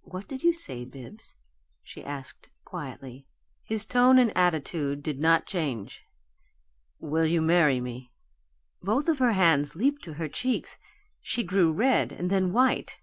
"What did you say, Bibbs?" she asked, quietly. His tone and attitude did not change. "Will you marry me?" Both of her hands leaped to her cheeks she grew red and then white.